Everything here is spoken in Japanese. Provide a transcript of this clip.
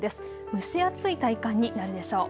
蒸し暑い体感になるでしょう。